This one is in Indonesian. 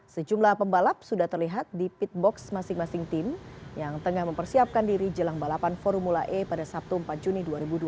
sejumlah pembalap sudah terlihat di pitbox masing masing tim yang tengah mempersiapkan diri jelang balapan formula e pada sabtu empat juni dua ribu dua puluh